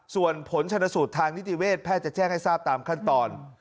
ส่วนผลชนสูตรทางนิติเวทแพทย์จะแจ้งให้ทราบตามขั้นตอน